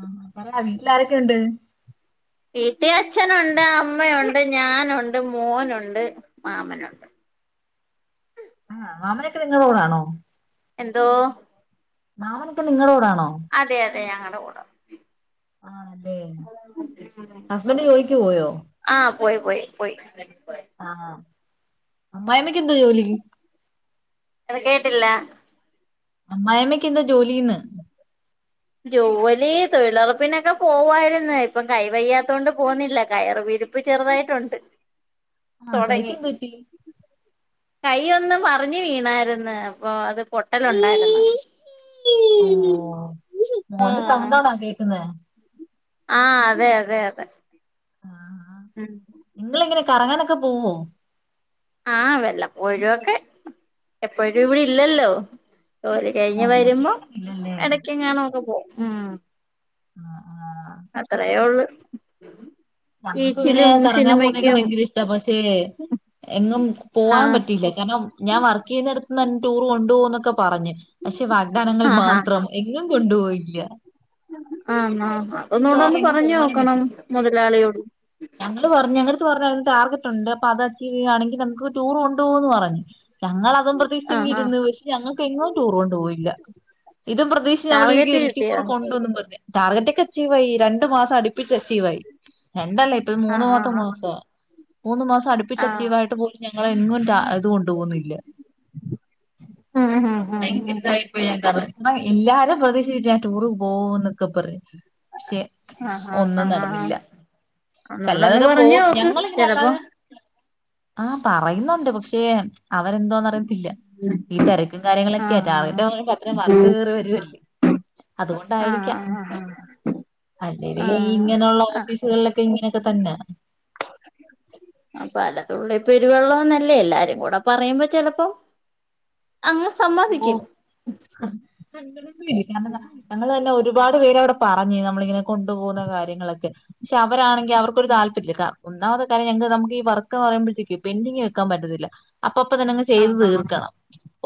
ആഹ പറയാ വീട്ടിൽ ആരൊക്കെ ഉണ്ട് വീട്ടിൽ അച്ഛനൊണ്ട് അമ്മയൊണ്ട് ഞാനൊണ്ട് മോനൊണ്ട് മാമനൊണ്ട് ആ്ഹ് മാമനൊക്കെ നിങ്ങളെ കൂടാണോ എന്തോ- മാമനിക്ക നിങ്ങളോടാണോ അതെ അതെ ഞങ്ങടെ കൂടെ ആണല്ലേ ഹസ്ബൻഡ് ജോലിക്ക് പോയോ ആഹ് പോയ് പോയ് പോയ് ആഹ് അമ്മായിഅമ്മക്ക് എന്താ ജോലി [unintelligible] കേട്ടില്ല അമ്മായമ്മക്ക് എന്താ ജോലിന്ന് ജോലി തൊഴിലുറപ്പിനൊക്കെ പോവായിരുന്നു ഇപ്പം കൈ വയ്യാത്ത കൊണ്ട് പോകുന്നില്ല കയറി ഇരിപ്പ് ചെറുതായിട്ടുണ്ട് ആഹ് തൊടങ്ങി കൈക്ക് എന്ത് പറ്റി കൈ ഒന്ന് മറിഞ്ഞ് വീണായിരുന്നുഅപ്പൊ അത് പൊട്ടലുണ്ടായിരുന്നു ഓ മോൻ്റെ സൗണ്ടാണോ കേൾക്കുന്നേ ആഹ അതെ അതെ അതെ ആ ആ. ഉം നിങ്ങളിങ്ങനെ കറങ്ങാനൊക്കെ പോവോ ആഹ് വല്ലപ്പോഴും ഒക്കെ എപ്പോഴും ഇവിടെ ഇല്ലല്ലോ ജോലി ഓ കഴിഞ്ഞ് വരുമ്പോൾ ചേട്ടനില്ലല്ലേ ഇടക്കെങ്ങണൊക്കെ പോവും ഉം ആഹ് അത്രേ [inaudible] ഞങ്ങൾക്ക് ഇങ്ങനെ ബീച്ചിലും കറങ്ങാൻ പോകുന്നക്കെ സിനിമക്കും ഭയങ്കര ഇഷ്ടാ പക്ഷേ എങ്ങും പോവാാൻ ആഹ് പറ്റില്ല കാരണം ഞാൻ വർക്ക് ചെയ്യുന്ന അടുത്ത് നിന്ന് ടൂറ് കൊണ്ടുപോകുന്നൊക്കെ പറഞ്ഞു പക്ഷെ വാഗ്ദാനങ്ങൾ ആഹ് ഹാ മാത്രം എങ്ങും കൊണ്ടുപോയില്ല ആന്നാ ഒന്നു അത് കാരണം കൂടി എങ്ങും പറഞ്ഞു പോവാനും നോക്കണം പറ്റിയില്ല. മുതലാളിയോട് ഞങ്ങള് പറഞ്ഞു ഞങ്ങ പറഞ്ഞ അതിന് ടാർഗറ്റ് ഉണ്ട് അത് അച്ചീവ് ചെയ്യുവാണെങ്കിൽ നമുക്ക് ടൂർ കൊണ്ട് പോകും എന്ന് പറഞ്ഞു ഞങ്ങൾ അതും പ്രതീക്ഷിച്ച് ആഹ് ആഹ് ഇരുന്ന് പക്ഷെ ഞങ്ങൾക്ക് എങ്ങും ടൂർ കൊണ്ടു പോയില്ല ഇതും പ്രതീക്ഷിച്ച് ടാർഗറ്റ് നമ്മളിരിക്കും റ്റൂർ കിട്ടിയോ കൊണ്ടുപോകും എന്നും പറഞ്ഞ് ടാർഗറ്റ് ഒക്കെ അച്ചീവ് ആയി രണ്ടു മാസം അടുപ്പിട്ട് അച്ചീവ് ആയി രണ്ടല്ല ആഹ് മൂന്നാമത്തെ ആഹ് മാസാ ആഹ് മൂന്ന് മാസം അടുപ്പിച് ആഹ് അച്ചീവായിട്ട് പോലും ഞങ്ങളെ എങ്ങും കൊണ്ടു പോന്നില്ല ഉം ഉം ഉം ഭയങ്കര ഉം ഇതായി പോയി ഞാൻ [unintelligible] ആ എല്ലാരും പ്രതീക്ഷിച്ചു ഞാൻ ടൂറ് പോകുന്നൊക്കെ പറഞ്ഞ് പക്ഷെ ആഹ് ഒന്നും ആഹ് ആഹ് ആഹ് നടന്നില്ല ഒന്നൂടെ ഒന്ന് അല്ലാതൊക്കെ പറഞ്ഞു പോവും നോക്ക് ഞങ്ങളിങ്ങനെ ചെലപ്പോ അല്ലാതെ ആഹ് പറയുന്നുണ്ട് പക്ഷേ അവരെന്തോന്ന് അറിയത്തില്ല ഈ തിരക്കും കാര്യങ്ങളൊക്കെയാ ആഹ് റ്റാർഗറ്റ് കേറുമ്പോൾ അത്രയും വർക്ക് ആഹ് കയറി വരുവല്ലേ ആഹ് അതുകൊണ്ടായിരിക്കാം ആഹ് അല്ലേെൽ ആഹ് ഇങ്ങനെയുള്ള ആഹ് ഓഫീസുകളിലൊക്കെ ഇ ഇങ്ങനൊക്കെ തന്നാ ആ പലതുള്ളി പെരുവെള്ളംന്നല്ലേ എല്ലാരും കൂടെ പറയുമ്പോ ചെലപ്പോം [inaudible] അങ്ങ് ഓ സമ്മതിക്കും ഞങ്ങള് തന്നെ ഒര് ഒരുപാട് പേര് അവിടെ പറഞ്ഞ് നമ്മളിങ്ങനെ കൊണ്ടുപോകുന്ന കാര്യങ്ങളൊക്കെ പക്ഷെ അവരാണെങ്കിൽ അവർക്കൊരു താല്പര്യല്ല കാ ഒന്നാമത്തെ കാര്യം ഞങ്ങക്ക്‌ നമുക്ക്‌ ഈ വർക്ക് എന്ന് പറയുമ്പോഴുത്തേക്ക് പെൻഡിങ് വെക്കാൻ പറ്റത്തില്ല അപ്പപ്പ തന്നെങ്ങ് ചെയ്ത് ആഹ് ആഹ് തീർക്കണം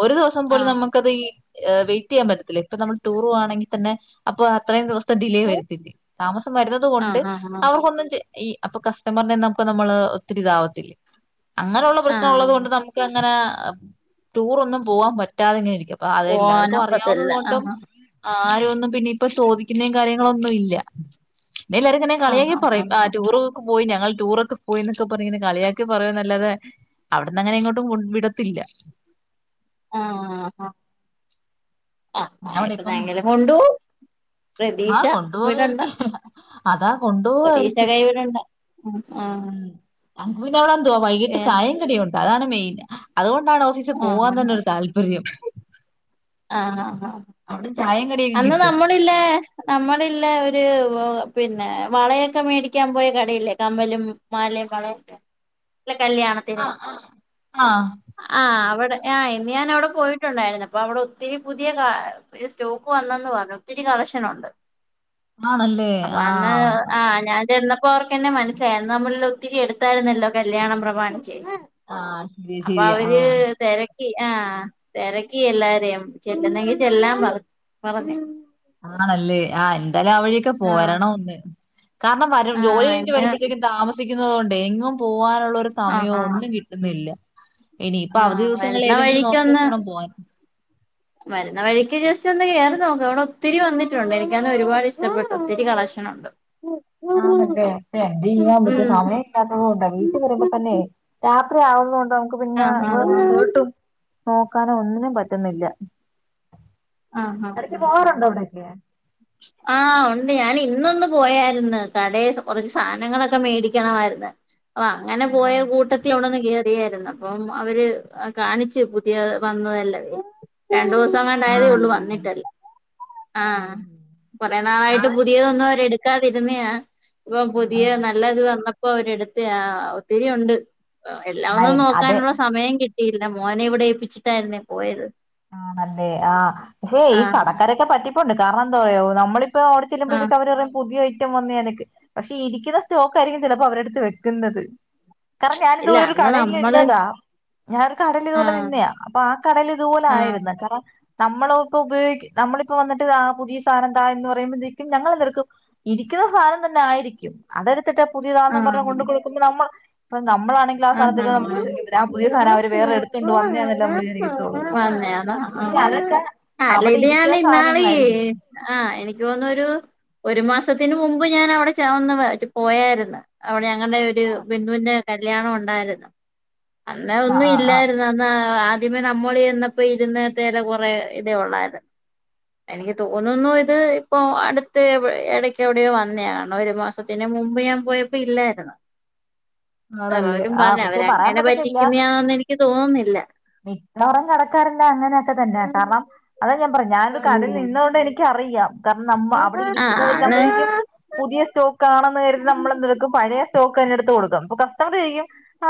ഒരു ദിവസം പോലും ആഹ് നമുക്കത് ഈ വെയിറ്റ് ചെയ്യാൻ പറ്റത്തില്ല ഇപ്പ നമ്മള് ടൂർപോവാണെങ്കിൽ തന്നെ അപ്പോ അത്രയും ദിവസ ഡിലേ വരുത്തില്ലേ താമസം വരുന്നുന്നത് കൊണ്ട് ആഹ് ആഹ് ആഹ് അവർക്കൊന്നും ഈ അപ്പൊ കസ്റ്റമറിനെ നമുക്ക് നമ്മള് ഒത്തിരിതാവത്തില്ലേ അങ്ങനെയുള്ള പ്രശ്നം ഉള്ളത് ആഹ് കൊണ്ട് നമുക്ക് അങ്ങനെ ടൂർ ഒന്നും പോവാൻ പറ്റാതിങ്ങനെ ഇരിക്കും പ്പൊ അതെല്ലാർക്കും അറിയാവുന്നുന്നത് പോവാനൊക്കത്തില്ല കൊണ്ടും ആഹ് ആരൊന്നും പിന്നെ ഇപ്പ ചോദിക്കുന്നയും കാര്യങ്ങളൊന്നും ഇല്ല ന്നേ ഇല്ലാവരുംങ്ങനെ ആഹ് കളിയാക്കി ആഹ് പറയും ആ ടൂറുക്കെ പോയി ഞങ്ങൾ ടൂറൊക്കെ പോയിന്നൊക്കെ പറഞ്ഞിങ്ങനെ കളിയാക്കി പറയുവുന്നല്ലാതെ അവിടന്ന് അങ്ങനെ ഇങ്ങോട്ടും കൊണ്ട് വിടത്തില്ല ആഹാ ആ ഞാൻ ഇവിടെ ഇപ്പം എപ്പൊതാങ്കല് കൊണ്ട് പോം ആ പ്രതീഷ വിടെണ്ട കൊണ്ടുപോകായിരിക്കും അതാ പ്രതീക്ഷ കൊണ്ടുപോകായിരിക്കും കൈ വിടെണ്ട ഉം ആഹ് അങ്ങക്ക്‌ പിന്നെ അവിടെ എന്തുവാ വൈകിട്ട് പിന്നെ ചായം കടിയുണ്ട് അതാണ് മെയിൻ അതുകൊണ്ട് ണ്ടാണ് ഓഫീസിൽ ആഹ് പോവാൻ തന്നൊരു താല്പര്യം ആഹ് ഹാ അവിടെ ചായയും കടിയൊക്കെ കിട്ടും നമ്മളില്ല ഒരു പിന്നെ വളയൊക്കെ മേടിക്കാൻ പോയ കടയില്ലേ കമ്മലും മാലേം വളയക്കെ [inaudible] കല്യാണത്തിന് ആ ആ ആ അവിടെ ആ ഇന്ന് ഞാൻ അവിടെ പോയിട്ടുണ്ടായിരുന്നു അപ്പ അവിടെ ഒത്തിരി പുതിയ കാ സ്റ്റോ ക്ക്‌ വന്നെന്നു പറഞ്ഞ് ഒത്തിരി കളക്ഷനുണ്ട് ആ ആണല്ലേ അപ്പൊ ആ അന്ന് ആ ഞാൻ ചെന്നപ്പ ഓർക്കന്നെ മനസ്സിലായി അന്ന് നമ്മള്ല്ല ഒത്തിരി എടുത്തായിരുന്നല്ലോ കല്യാണം പ്രമാണി ച്ച ച്ച് ആ ശരിയാ അപ്പൊ ശരിയാ ആ അവര് തെര ക്കി ആഹ് തെരക്കി എല്ലാരെയും ചെല്ലുന്നെങ്കി ചെല്ലാം പറ പറഞ്ഞു ആണല്ലേ ആ എന്തായാലും അവഴിയൊക്കെ ആഹ് പോരണം ഒന്ന് കാരണം വര ജോലി ആഹ് കഴിഞ്ഞിട്ടു എന്നെ വരുമ്പോഴത്തേക്കും താമസിക്കുന്നത് കൊണ്ടെ എങ്ങും പോവാൻ ള്ളരു സമയമോ ആഹ് ആഹ് ഒന്നും കിട്ടുന്നില്ല ഇനി ഇപ്പൊ അവധി ആഹ് ദിവസങ്ങൾ വരുന്ന ഏതെങ്കിലും നോക്കി വഴിക്കൊന്ന് വെച്ചേണം പോവാൻ വരുന്ന വഴിക്ക് ജസ്റ്റ് ഒന്ന് കേയറി നോക്ക്‌ അവിടെ ഒത്തിരി വന്നിട്ടുണ്ട് എനിക്കണേ ഒരുപാട് ഇഷ്ടപ്പെട്ടു ഒത്തിരി കളക്ഷ് ണ്ട് ആന്നല്ലേ എന്ത് ചെയ്യാമ്പറ്റും സമയം ഇല്ലാത്തത് കൊണ്ട വീട്ടിൽ വരുമ്പോ തന്നെ രാത് ത്രി ആവുന്നണ്ട് നമക്ക് പിന്നെ ആഹ് ആഹ് വേറെ എങ്ങോട്ടും നോക്കാനും ഒന്നിനും പറ്റ് പറ്റുന്നില്ല ആഹ് ഇടയ്ക്ക് ആഹ് പോവാറുണ്ടോ അവിടേക്ക്? ആ ഉണ്ട് ഞാന് ഇന്നൊന്ന് പോയായിരുന്നു കടേ കുറച്ച് സാധനങ്ങളൊക്കെ മേടിക്കണമായിരിന്ന് അപ്പ അങ്ങനെ പോയ കൂട്ടത്തില് അവിടൊന്ന് കയറിയായിരുന്നു അപ്പം അവര് കാണിച്ച് പുതിയ വന്ന് ന്നതെല്ലാം രണ്ട് ദിവസം ണ്ടായതേ ഉള്ളൂ ആണല്ലേ വന്നിട്ട് അത് ആ ഓ കൊറ ഞാൻ ആ നാളായിട്ട് പുതിയതൊന്നും അവര് എടുക്ക് ക്കാതിരുന്നയാ ഇപ്പം ആ പുതിയ നല്ലത് വന്നപ്പോ അവരെടുത്തെയാ ഒത്തിരി ഉണ്ട് എല്ലാം ആ, ഒന്നും അതെ നോക്കാനുള്ള സമയം കിട്ടിയില്ല മോനെ ഇവിടെ ഏപ്പിച്ചിട്ടായിരുന്നേ പോയത് ആഹ്ണല്ലേ ആ പക്ഷേ ഈ ആഹ് കടക്കാരൊക്കെ പറ്റിപ്പോണ്ട് കാരണം എന്താ അറിയോ നമ്മളി ഓടി ആഹ് ചെല്ലുമ്പലത്തേക്കും അവര് പറയും പുതിയ [unintelligible] ഐറ്റം വന്ന ആണെന്ന് പക്ഷെ ഇരിക്കുന്ന സ്റ്റോക്ക് ആയിരിക്കും ചിലപ്പോ അവരടുത്ത് വെക്കുന്നത് കാരണം ഇല്ല ഞാനിതുപോലെ ഒരു അന്ന് കടയിൽ നമ്മള് നിന്നതാ ഞാനൊരു കടൽ ഇതുപോലെ ആഹ് നിന്നയാ അപ്പൊ ആ കടയില് ഇതുപോലെ ആഹ് ആയിരുന്ന് ക നമ്മള ഇപ്പൊ ഉപയോഗ നമ്മളിപ്പ വന്നിട്ട് ആ പുതിയ സാധനം തായെന്ന് പറയുമ്പോക്കും ഞങ്ങൾ എന്തെക്കും ഇരിക്കുന്ന സാധനം തന്നെ ആയിരിക്കും അതെടുത്തിട്ട പുതിയ സാധം പറഞ്ഞഞ് കൊണ്ട കൊടുക്കുമ്പോൾ നമ്മൾ ഇപ്പൊ നമ്മളാണെങ്കിൽ ആ ഹ സാധനത്തേക്ക് നമ്മൾ വിശ്വസിക്കത്തില്ല ആ പുതിയ സാധനം അവര് വേറെ എടുത്തോണ്ട് വന്നയാന്നല്ലേ നമ്മള് വിചാരിക്കത്തുള്ളൂ ഹ അന്നെയതാ പക്ഷെ അതൊക്കെ ആ ല അവിടെ ഇത് ഞാൻ ഇരിക്കുന്ന ഇന്നാളി ഈ സാധനങ്ങളായിരിക്കും ആഹ് എനിക്ക് തോന്ന് ഒരു ഒരു മാസം സത്തിന് മുമ്പ് ഞാൻ അവിടെ ഒന്ന് പോയായിരുന്നു അവിടെ ഞങ്ങളുടെ ഒരു ആ ബന്ധുവിന്റെ ക കല്യാണം ഉണ്ടായിരുന്നു അന്ന് ഒന്നും ആ ആ ഇല്ലായിരുന്നു ആദ്യമേ നമ്മൾ ചെന്നപ്പോ ഇരുന്ന അതെ കൊറെ ഇതേ ഉള്ളായിരുന്ന് എനിക്ക് തോന്നുന്നു ഇത് ഇപ്പൊ അടുത്ത് ഇടയ്ക്ക് എവിടെയോ വന്നതണോ ഒരു മാസത്തിന് മുമ്പ് ഞാൻ പോയപ്പോ ഇല്ലായിരുന്നു [inaudible] ആണല്ലേ അവരും ആ പറഞ്ഞ പക്ഷെ പറയാൻ അവരങ്ങനെ പറ്റിക്കുന്നതാന്ന് എനിക്ക് തോന്നുന്നില്ല മിക്കോറം കിടക്കാറുണ്ട് അങ്ങനെയൊക്കെ തന്നെയ കാരണം അത് ഞാൻ പറയാം ഞാനൊരു കടയിൽ ഉം നിന്നുകൊണ്ട് എനിക്കറിയാം കാരണം ന അവിടെ ആഹ് ഇരിക്കുന്ന അന്ന് ആവമ്പോഴരിക്കും പുതിയ സ്റ്റോക്ക് ആണെന്ന് കരുതി നമ്മൾ എന്തെടുക്കും പഴയ സ്റ്റോക്ക് തന്നെ എടുത്ത് കൊടുക്കും അപ്പൊ കസ്റ്റമർ ആരിക്കും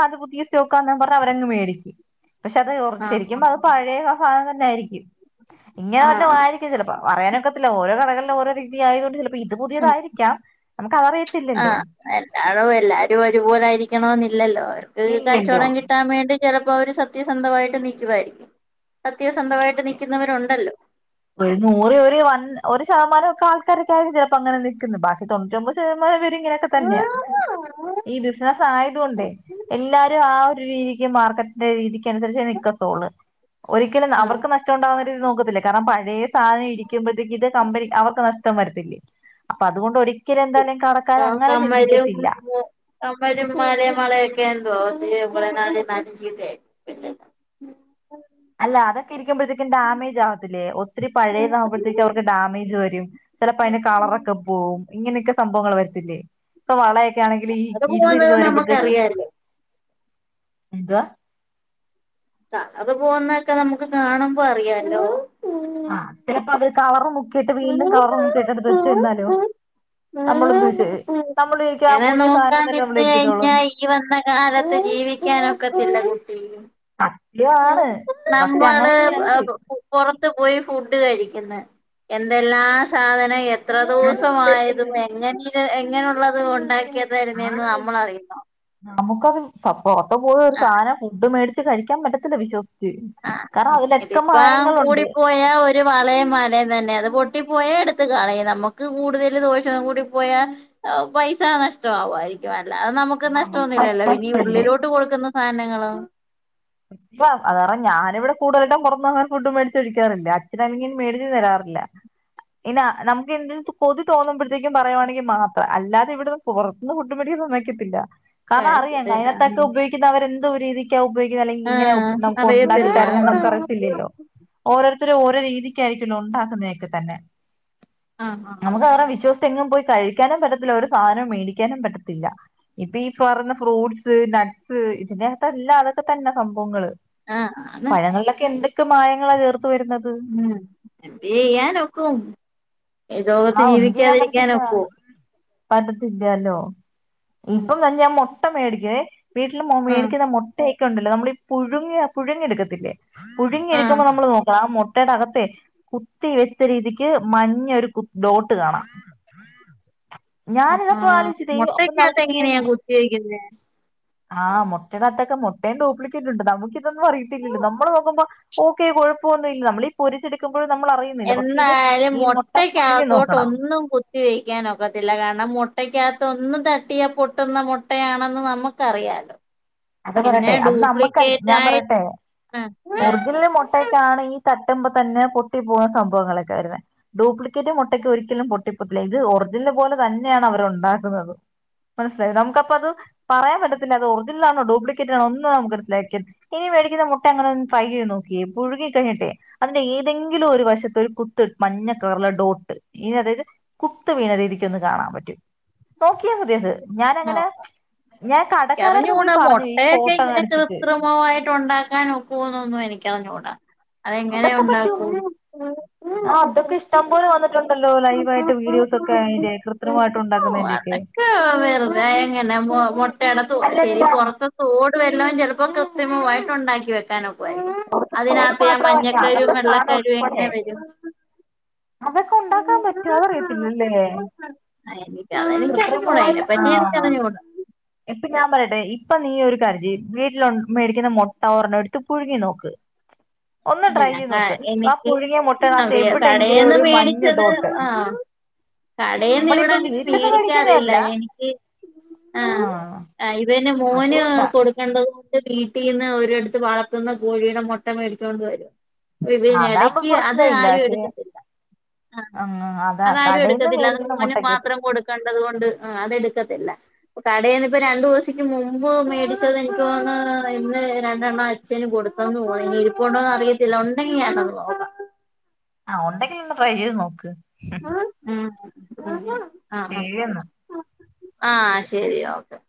അത് പുതിയ സ്റ്റോക്കാന്നാ പറഞ്ഞ അവരങ് മേടിക്കും പക്ഷെ അത് ശെരിക്കും ആഹ് പറഞ്ഞ അത് പഴയ സാധനം തന്നെയായിരിക്കും ഇങ്ങനെ വല്ലത ആഹ് ആരിക്കും ചിലപ്പോ പറയാനൊക്കത്തില്ല ഓരോ കടകളിലും ഓരോ രീതി ആയതുകൊണ്ട് ചിലപ്പോ ഇത് പുതിയതായിരിക്കാം നമുക്ക് അതറിയത്തില്ലല്ലോ ആഹ എല്ലാടും എല്ലാരും ഒരുപോലായിരി കണം എന്നില്ലല്ലോ അവർക്ക് ഇല്ലല്ലോ കച്ചവടം കിട്ടാൻ വേണ്ടി ചിലപ്പോ അവര് സത്യസന്ധമായിട്ട് നിക്കുവായിരിക്കും സത്യസന്ധമായിട്ട് നിക്കുന്നവരുണ്ടല്ലോ ഒരു നൂറ് ഒരു വ ഒരു ശതമാനം ഒക്കെ ആൾക്കാര ചിലപ്പോ അങ്ങനെ നിക്കുന്നു ബാക്കി തൊണൂറ്റിമ്പതി ശതമാനം ഇങ്ങനെ ഒക്കെ തന്നയ ഈ ബിസിനസ്‌ ആയത് കൊണ്ടേ എല്ലാരും ആ ഒരു രീതിക്ക് മാർക്കറ്റിന്റെ രീതിക്ക് അനുസരിച്ചേ നിക്കത്തൊള്ളൂ ഒരിക്കലും ആ അവർക്ക് നഷ്ട നോക്കത്തില്ല കാരണം പഴയ സാധനം ഇരിക്കുമ്പഴത്തേക്ക് ഇത് കമ്പനി അവർക്ക് നഷ്ട ടം വരത്തില്ലി അപ്പൊ അതുകൊണ്ട് ഒരിക്കലും എന്തായാലും കട ആ കമ്മലും കമ്മലും മാലയും വളയും ഒക്കെ ആണെന്ന് തോന്നുന് നാട നാട്ട ചീത അല്ല അതാ ഇരിക്കുമ്പോഴത്തേക്കും ഡാമേജ് ആവത്തില്ലേ ഒത്തിരി പഴയ ആവുമ്പഴത്തേക്ക് അവർക്ക് ഡാമേജ് വരും ചിലപ്പോ അയിന് കളർ ഒക്കെ പോവും ഇങ്ങനെയൊക്കെ സംഭവങ്ങൾ വരത്തില്ലേ ഇപ്പൊ വളയൊക്കെ ആണെങ്കിൽ ഈ അത് ഇരുന്ന് പോകുന്നത് ഇരുന്ന് വരുമ്പോഴത്തേക്കും നമുക്കറിയാലോ എന്താ കളറ് പോകുന്നൊക്കെ നമുക്ക് കാണുമ്പോ അറിയാലോ ആഹ ചിലപ്പോ അവര് കളറ് മു [unintelligible] നമ്മളെന്ത് വിചാ- നമ്മൾ വിചാരിക്കും ആ ഇങ്ങനെ പുതിയ സാധനം നോക്കാൻ തന്നെ നമ്മൾ നിന്ന് ഇരിക്കത്തുള്ളൂ കഴിഞ്ഞാ ഈ വന്ന കാലത്ത് ജീവിക്കാൻ ഒക്കത്തില്ല കുട്ടി ഉ സത്യമാണ് പക്ഷെ നമ്മള് അങ്ങനെയൊക്കെ ഉണ്ട് പോറ ത്തു പോയി ഫുഡ് കഴിക്കുന്ന എന്തെല്ലാ സാധനം എ എത്ര ആലോചിച്ചോക്കല്ലേ? ദിവസമായതും എങ്ങനെ എങ്ങനുള്ളത് ഒണ്ടാക്ക തരുന്നന്ന് ആണ് നമ്മള അറിയുന്നു നമുക്കത് പോറത്ത് പോയി ഒരു സാധനം ഫുഡ് മേടിച്ച് കഴിക്കാൻ പറ്റത്തില്ല വിശ്വസിച്ച് ആ കാരണം അതിലൊക്കെ ഇതിപ്പ മായങ്ങളുണ്ട് കൂടി പോയാ ഒരു വളയം മലയും തന്നെ അത് പൊ ട്ടി പോയ എടുത്ത് കളയും നമുക്ക് കൂടുതൽ ദോഷം കൂടി പോയാ പൈസ നഷ്ടമാവമായിരിക്കും അല്ല അത് നമുക്ക് പിന്നെ നഷ്ടംഒന്നുമില്ലോ ഭക്ഷണം പിന്നെ ഇഷ്ടല്ലേ ഉള്ളിലോട്ട് കൊടുക്കുന്ന സാധനങ്ങളൊ ഇപ്പ അതുകാരണം ഞാനിവിടെ കൂടുതലായിട്ടും പുറത്തുന്ന് അങ്ങനെ ഫുഡ് മേടിച്ച് കഴിക്കാറില്ല അച്ഛനാങ്കിലും മേടിച്ചു തരാറില്ല ഇല്ല നമുക്ക് എന്ത് കൊതി തോന്നുമ്പഴേക്കും പറയുവാണെങ്കിൽ മാത്രം അല്ലാതെ ഇവിടുന്ന് പുറത്തന്ന് ഫുഡ് മേടിക്ക മേടിക്കത്തില്ല കാരണം അറിയാം കഴിക്കത്തില്ല. അതിനത്തൊക്കെ ഉപയോഗിക്കുന്ന അവരെന്തോ രീതിക്കാ ഉപയോഗിക്ക അല്ലെ ഇങ്ങനെ ആഹ് നമുക്ക് ഉണ്ടാക്കി അറിയത്തില്ല തരന്നെന്ന് നമുക്ക് ആഹ് അറിയത്തില്ലോ ഓരോരു ഓരോത്തരും ഓരോ രീതിക്ക് ആയിരിക്കുവല്ലോ ഉണ്ടാക്കുന്നതൊക്കെ തന്നെ ആഹ് നമുക്ക് അവരെ വിശ്വസി എങ്ങും പോയി കഴിക്കാനും പറ്റത്തില്ല ഒരു സാധന മേടിക്കാനും പറ്റത്തില്ല ഇപ്പ ഈ പറഞ്ഞ ഫ്രൂട്സ് നട് നട്സ് ഇതിനകത്തെല്ലാം അതൊക്കെ തന്നെ സംഭവങ്ങള് ആഹ് അത് പഴങ്ങളിലൊക്കെ എന്തൊക്കെ മായങ്ങളാ ചേർത്ത് വരുന്നത് ഉം എന്ത് ചെയ്യനൊക്കും ആ ലോകത്ത് ഒന്നും ചെയ്യാൻ പറ്റത്തില്ല ജീവിക്കാതിരിക്കാനൊക്കുവോ പറ്റത്തില്ലല്ലോ ഉം ഇപ്പൊ ഞാൻ മുട്ട മേടിക്കുവേ വീട്ടിൽ ആഹ് മേടിക്കുന്ന മുട്ടയക്കണ്ടല്ലോ നമ്മളീ ഈ പുഴുങ്ങി പുഴുങ്ങി എടുക്കത്തില്ലേ പുഴുങ്ങി ആഹ് ഇരിക്കുമ്പോ നമ്മൾ നോക്കണം ആ മു മുട്ടേട അകത്തേ കുത്തി വെച്ച രീതിക്ക് മഞ്ഞൊരു കു ഡോട്ട് കാണാം ആഹാ ഞാനിതപ്പം ആലോചിച്ചതേ അപ്പൊന്നു മുട്ടക്കകത്ത് ആലോചിച്ച് നോക്കിയേ എങ്ങനെയാ കുത്തിവെക്കുന്നേ ആ മുട്ടേടകത്തൊക്കെ മുട്ടയും ഡൂപ്ലിക്കേറ്റ് ഉണ്ട് നമുക്ക് അറിയത്തില്ലല്ലോ നമ്മള് നോക്കുമ്പോ ഓക്കെ കുഴപ്പമൊന്നും ഇല്ല നമ്മളീപൊരിച്ചെടുക്കുമ്പം നമ്മൾ അറിയുന്നില്ല പക്ഷെ ഇത് ഈ മൊട്ട അകത്തോട്ട് ഒന്നും കുത്തിവെയക്കാനൊക്കത്തില്ല കാരണം മു മുട്ടയ്ക്കകത്ത് ഒന്ന് തട്ടിയാ പൊട്ടുന്ന മുട്ടയാണെന്ന് നമ്മുക്കറിയാലോ അത് പറയട്ടെ അത് നമുക്കല്ല ഞാൻ ആയിട്ട് പറയട്ടെ ആ, ആ. ഒറിജിനല് മുട്ടക്കാണ് ഈ തട്ടുമ്പോൾ തന്നെ പൊട്ടി പോകുന്ന സംഭവങ്ങളൊക്കെ വരുന്ന ഡ്യൂപ്ലിക്കേറ്റ് മുട്ടക്ക് ഒരിക്കലും പൊട്ടിപ്പോത്തില്ല ഇത് ഒർ പോലെ തന്നെയാണ് അവർണ്ടാക്കുന്നത് മനസ്സിലായി നമുക്കപ്പ അത് പറയാൻ പറ്റത്തില്ല അത് ഒർജി നാണോ ഡ്യൂ്ലിക്കേറ്റ് ആണോ ഒന്ന് നുത് ഇനി മേടിക്കുന്ന മുട്ട അങ്ങന ഒന്ന് ഫ്രൈ ചെയ്ത് നോക്കി പുഴുകി കഴിഞ്ഞട്ടെ അതിന്റെ ഏതെങ്കിലും ഒരു വശത്ത ഒരു കുത്ത് മഞ്ഞക്കറിലെ ഡോട്ട് ഇ അതായത് കുത്ത് വീണ കാണാൻ പറ്റും നോക്കിയാൽ മതിയ അത് ആ, ഞാനങ്ങനെ ഞാൻ കടക്കാരായിടത്ത് പോയി എനിക്കറിഞ്ഞൂടാ പറഞ്ഞു ഈ മുട്ടയൊക്കെ ഫോട്ടോ ഇങ്ങനെ അടിച്ചിട്ട് കൃത്രിമയിട്ട് ഉണ്ടാക്കാൻ ഒക്കൂമോ എന്നൊന്നും എനിക്കറിഞ്ഞൂടാ അതെങ്ങനെ അതൊക്കെ പറ്റും ഉണ്ടാക്കും ആ അതൊക്കെ ഇഷ്ടം പോലെ വന്നിട്ടുണ്ടല്ലോ ലൈവായിട്ട് വീഡിയോസൊക്കെ അതിന്റെ കൃത്രിമമായിട്ട് ഓ ഉണ്ടാക്കുന്നതിന്റെയൊക്കെ അതൊക്കെ വെറുതെ എങ്ങനെ മുട്ട അടത്ത് ശരി അല്ലല്ല പൊറത്തേ തോടു വല്ലും ചിലപ്പോ കൃത്രിമമായിട്ട് ഉണ്ടാക്കി വെക്കാനൊ പുറത്ത് തോട് അതിനകത്തെ ആ മാത്രമല്ല മഞ്ഞക്കരും അകത്തെ സാധനം വെള്ളക്കരും ഉൾപ്പെടെ എങ്ങനെ വരും അതൊക്കെ അത് ഉണ്ടാക്കാൻ പറ്റുവോ അതറിയത്തില്ലല്ലേ എനിക്ക് എനിക്കറിഞ്ഞൂടാ കൃത്രിമമായിട്ട് ആ അതിനെപറ്റി എനിക്കറിഞ്ഞൂടാ ഇപ്പൊ ഞാൻ പറയട്ടെ ഇപ്പൊ നീ ഒരു കാര്യം ചെയ് വീട്ടിലു മേടിക്കുന്ന മൊട്ട ഒരെണ്ണം എടുത്ത് പുഴുങ്ങി നോക്ക് [inaudible] ട്രൈ ചെയ്ത് ങ്ങ നോക്ക് ആ എനിക്ക് പുഴുങ്ങിയ മുട്ടനകത്ത് അറിയാം എവിടെയെങ്കിലും കടേന്ന് ഒരു മഞ്ഞ മേടിച്ചത് ഡോട്ട് ആ കടേന്ന് ഇവിടെ നമ്മളിപ്പോ അങ്ങനെ വീട്ടിൽ നിന്ന് മേടിക്കാറില്ല മേടിക്കുന്നതല്ല എനിക്ക് ആ ആ ഇവന് മോന് അതുകൊണ്ടാ കൊടുക്കേണ്ടത് ഇല്ല വീട്ടിൽ നിന്ന് ഒരിടുത്ത് വളർത്തുന്ന കോഴിയുടെ മുട്ട മേടിച്ചോണ്ട് വരും ഇതിന് അതാകുമ്പോ ഇടക്ക് അത് പ്രശ്നമില്ല ആരും പക്ഷെ എടുത്തിട്ടില്ല ആ അതാ അതാരും കടയിൽന്ന് എടുക്കത്തില്ല അത് മേടിക്കുന്ന മോന് മുട്ടയ്ക്ക് മാത്രം കൊടുക്കേണ്ടത് കൊണ്ട് അത് എടു ത്തില്ല കടേന്ന് ഇപ്പോ രണ്ടു ദിവസിക്ക് മുമ്പ് മേടിച്ചത് എനിക്ക് തോന്നുന്ന് ഇന്ന് രണ്ടെണ്ണം അച്ഛന് കൊടു ഇങ്ങളന്ന് പോ ഇനി ഇരിപ്പ ഉണ്ടോന്ന് അറിയത്തില്ല ഉണ്ടെങ്കി ഞാനൊന്ന് നോക്കാം ആ ഉണ്ടെങ്കില് ഒന്ന് ട്രൈ ചെയ്ത് നോക്ക് ഉം ഉം ശരിന്നാ ആ ശരി ഓക്കെ